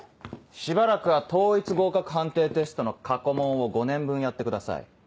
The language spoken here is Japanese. しばらくは統一合格判定テストの過去問を５年分やってください。